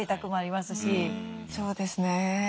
そうですね。